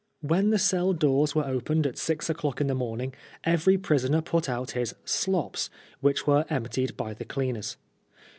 When the cell doors were opened at six o'clock in the morning every prisoner put out his " slops," which were emptied by tiie cleaners.